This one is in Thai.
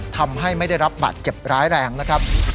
ทำให้ไม่ได้รับบาดเจ็บร้ายแรงนะครับ